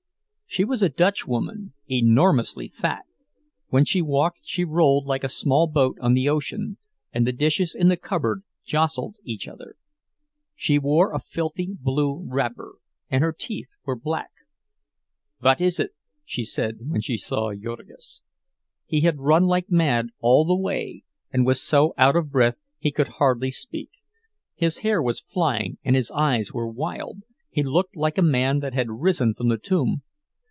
She was a Dutchwoman, enormously fat—when she walked she rolled like a small boat on the ocean, and the dishes in the cupboard jostled each other. She wore a filthy blue wrapper, and her teeth were black. "Vot is it?" she said, when she saw Jurgis. He had run like mad all the way and was so out of breath he could hardly speak. His hair was flying and his eyes wild—he looked like a man that had risen from the tomb.